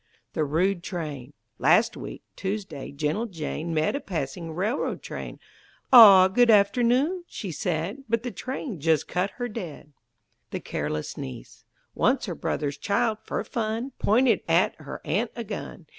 THE RUDE TRAIN Last week, Tuesday, gentle Jane Met a passing railroad train; "Ah, good afternoon," she said; But the train just cut her dead. THE CARELESS NIECE Once her brother's child, for fun, Pointed at her aunt a gun.